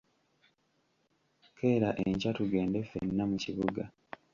Keera enkya tugende ffenna mu kibuga.